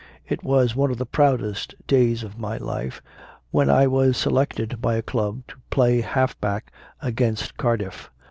It was one of the proudest days of my life when I was selected by a club to play half back against Cardiff.